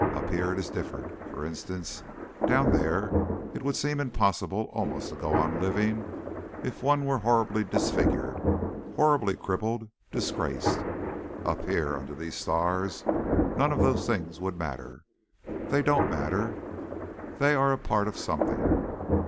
"Up here it is different. For instance, down there it would seem impossible almost to go on living if one were horribly disfigured, horribly crippled, disgraced. Up here under these stars none of those things would matter. They don't matter.... They are a part of something.